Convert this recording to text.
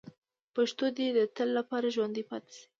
پښتو دې د تل لپاره ژوندۍ پاتې شي.